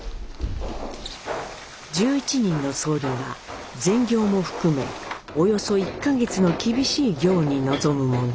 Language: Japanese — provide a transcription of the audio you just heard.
１１人の僧侶が前行も含めおよそ１か月の厳しい行に臨むもの。